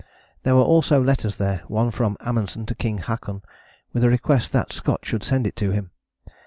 There were also letters there: one from Amundsen to King Haakon, with a request that Scott should send it to him.